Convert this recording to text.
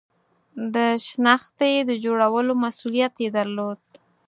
د شنختې د جوړولو مسئولیت یې درلود.